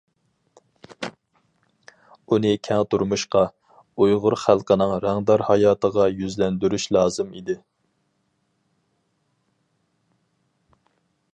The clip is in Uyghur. ئۇنى كەڭ تۇرمۇشقا، ئۇيغۇر خەلقىنىڭ رەڭدار ھاياتىغا يۈزلەندۈرۈش لازىم ئىدى.